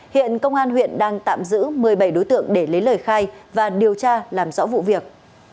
hiện công an huyện đang tạm giữ một mươi bảy đối tượng để lấy lời khai và điều tra làm rõ vụ việc